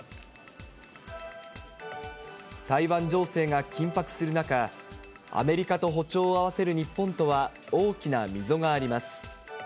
台湾情勢が緊迫する中、アメリカと歩調を合わせる日本とは大きな溝があります。